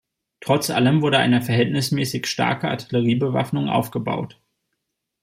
Trotz Allem wurde eine verhältnismäßig starke Artilleriebewaffnung aufgebaut.